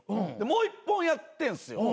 もう１本やってんすよ。